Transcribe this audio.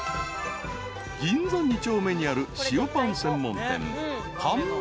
［銀座２丁目にある塩パン専門店］